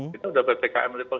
kita sudah ppkm level satu loh